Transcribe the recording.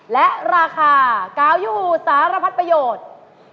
และราคากาวยูสารพัดประโยชน์